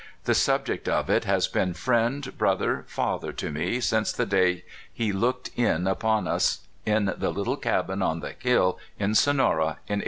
The subject of it has been friend, brother, father, to me since the day he looked in upon us in the little cabin on the hill in Sonora, in 1855.